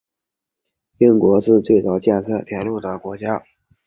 英国是最早建造铁路的国家。